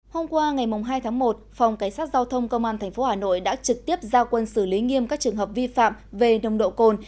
hôm qua ngày hai tháng một phòng cảnh sát giao thông công an tp hà nội đã trực tiếp giao quân xử lý nghiêm các trường hợp vi phạm về nồng độ cồn